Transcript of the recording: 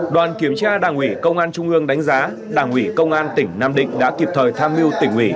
đoàn kiểm tra đảng ủy công an trung ương đánh giá đảng ủy công an tỉnh nam định đã kịp thời tham mưu tỉnh ủy